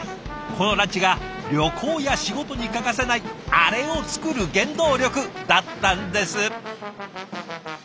このランチが旅行や仕事に欠かせないアレを作る原動力だったんです。